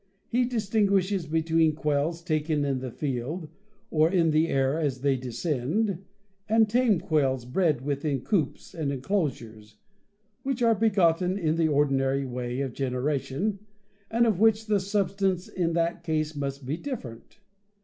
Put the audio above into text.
He distinguishes between quails taken in the field, or in the air as they descend, and tame quails bred within coops and enclosures, which ai e begotten in the ordinary way of generation, and of which the substance in that case must be difierent.